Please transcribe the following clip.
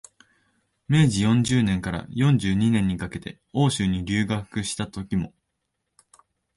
明治四十年から四十二年にかけて欧州に留学したときも、